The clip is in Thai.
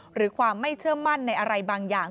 หรือความไม่เชื่อมั่นในอะไรบางอย่าง